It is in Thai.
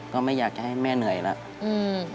ก็ไม่อยากจะให้แม่เหนื่อยแล้ว